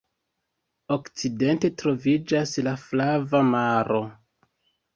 Okcidente troviĝas la Flava Maro.